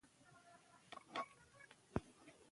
وروسته په همغه ورځ